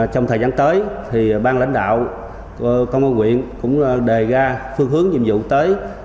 trong thời gian tới bang lãnh đạo công an huyện cũng đề ra phương hướng nhiệm vụ tới